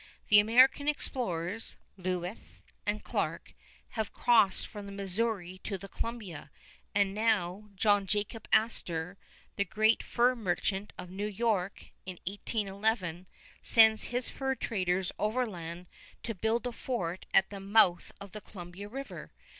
The American explorers, Lewis and Clark, have crossed from the Missouri to the Columbia; and now John Jacob Astor, the great fur merchant of New York, in 1811 sends his fur traders overland to build a fort at the mouth of Columbia River.